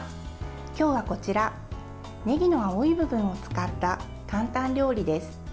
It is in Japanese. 今日はこちらねぎの青い部分を使った簡単料理です。